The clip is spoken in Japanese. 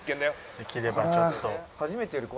できればちょっと。